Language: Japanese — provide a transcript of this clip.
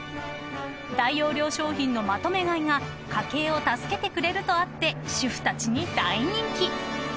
［大容量商品のまとめ買いが家計を助けてくれるとあって主婦たちに大人気］